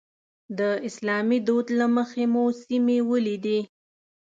د اسلامي دود له مخې مو سیمې ولیدې.